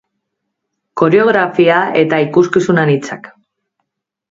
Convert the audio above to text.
Koreografia eta ikuskizun anitzak.